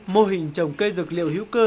mô hình trồng cây dược liệu hiếu cơ